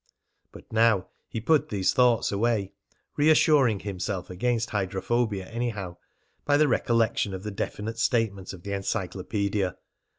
But now he put these thoughts away, reassuring himself against hydrophobia anyhow, by the recollection of the definite statement of the Encyclopedia.